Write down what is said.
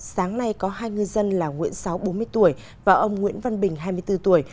sáng nay có hai ngư dân là nguyễn sáu bốn mươi tuổi và ông nguyễn văn bình hai mươi bốn tuổi